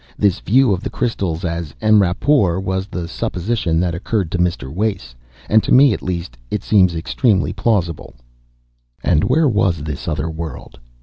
This view of the crystals as en rapport was the supposition that occurred to Mr. Wace, and to me at least it seems extremely plausible.... And where was this other world?